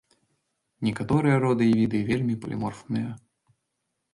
Некаторыя роды і віды вельмі паліморфныя.